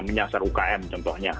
menyasar ukm contohnya